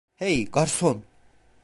Hey, garson!